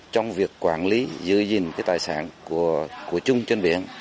trong việc quản lý giữ gìn tài sản của chung trên biển